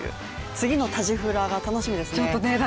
次のタジフラが楽しみですね。